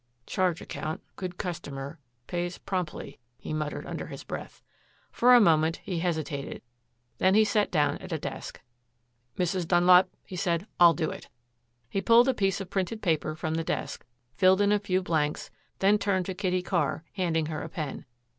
"Charge account good customer pays promptly," he muttered under his breath. For a moment he hesitated. Then he sat down at a desk. "Mrs. Dunlap," he said, "I'll do it." He pulled a piece of printed paper from the desk, filled in a few blanks, then turned to Kitty Carr, handing her a pen.